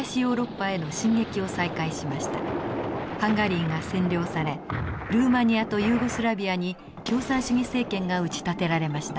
ハンガリーが占領されルーマニアとユーゴスラビアに共産主義政権が打ち立てられました。